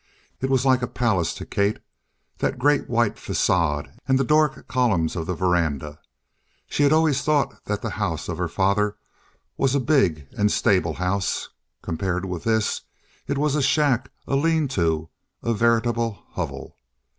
It was like a palace to Kate, that great white facade and the Doric columns of the veranda. She had always thought that the house of her father was a big and stable house; compared with this, it was a shack, a lean to, a veritable hovel.